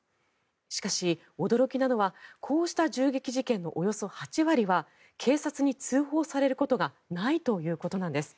しかし、驚きなのはこうした銃撃事件のおよそ８割は警察に通報されることがないということなんです。